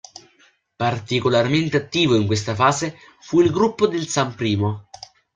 Particolarmente attivo in questa fase fu il gruppo del San Primo.